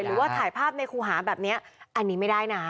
หรือว่าถ่ายภาพในครูหาแบบนี้อันนี้ไม่ได้นะ